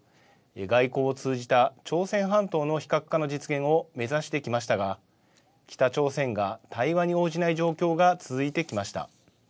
外交を通じた朝鮮半島の非核化の実現を目指してきましたが北朝鮮が対話に応じない状況が続いてきました。